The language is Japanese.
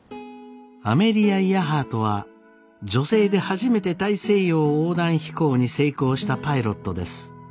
アメリア・イヤハートは女性で初めて大西洋横断飛行に成功したパイロットです。